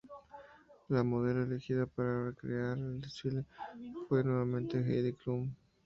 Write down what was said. La modelo elegida para cerrar el desfile fue nuevamente Heidi Klum.